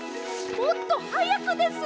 もっとはやくです！